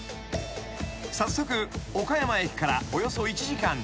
［早速岡山駅からおよそ１時間。